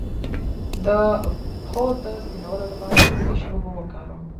د پښو د سپینولو لپاره د څه شي اوبه وکاروم؟